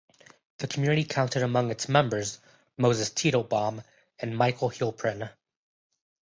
The community counted among its members Moses Teitelbaum and Michael Heilprin.